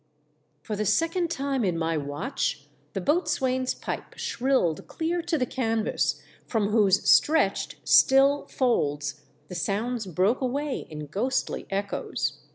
For the second time in my watch the boatswain's pipe shrilled clear to the canvas, from whose stretched, still folds, the sounds broke away in ghostly echoes.